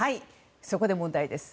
そこで問題です。